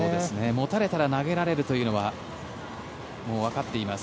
持たれたら投げられるというのはもうわかっています。